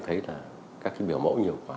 thấy là các biểu mẫu nhiều quá